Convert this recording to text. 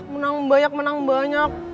menang banyak menang banyak